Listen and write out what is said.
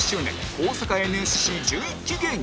大阪 ＮＳＣ１１ 期芸人